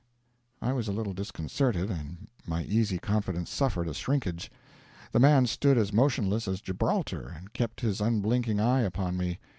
I was a little disconcerted, and my easy confidence suffered a shrinkage. The man stood as motionless as Gibraltar, and kept his unblinking eye upon me.